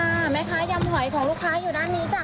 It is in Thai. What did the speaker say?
เห็นไหมคะยำหอยของลูกค้าอยู่ด้านนี้จ้ะ